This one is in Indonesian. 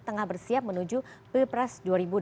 tengah bersiap menuju pilpres dua ribu dua puluh